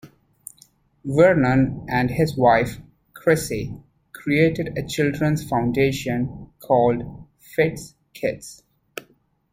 Vernon and his wife, Chrissy, created a childrens foundation called Fidd's Kids.